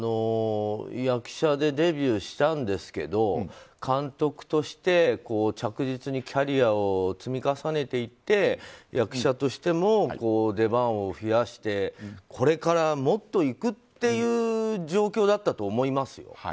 役者でデビューしたんですけど監督として着実にキャリアを積み重ねていって、役者としても出番を増やして、これからもっと行くという状況だったと思いますよ。